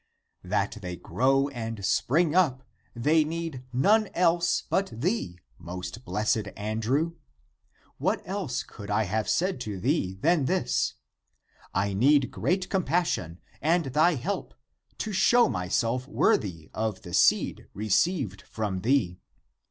That they grow and spring up, they need none else but thee, most blessed ACTS OF ANDREW 211 Andrew, What else could I have said to thee than this? I need great compassion and thy help, to show myself worthy of the seed received from thee.